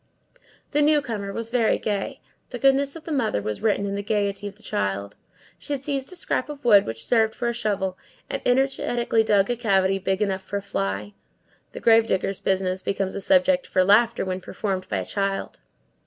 The newcomer was very gay; the goodness of the mother is written in the gayety of the child; she had seized a scrap of wood which served her for a shovel, and energetically dug a cavity big enough for a fly. The grave digger's business becomes a subject for laughter when performed by a child.